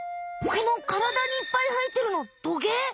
このからだにいっぱいはえてるのトゲ？